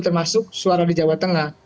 termasuk suara di jawa tengah